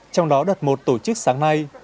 trong đó đặt một tổ chức sáng nay